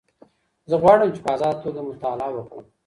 زه غواړم چي په ازاده توګه مطالعه وکړم.